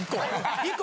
１個。